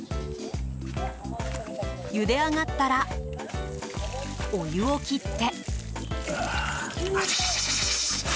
ゆで上がったらお湯を切って。